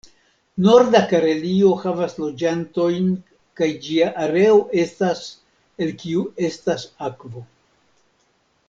Norda Karelio havas loĝantojn kaj ĝia areo estas el kiu estas akvo.